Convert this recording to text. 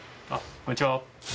こんにちは。